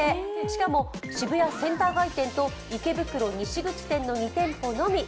しかも、渋谷センター街店と池袋西口店の２店舗のみ。